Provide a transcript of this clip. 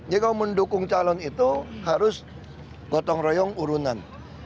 jadi kalau mendukung calon itu harus gotong royong urunan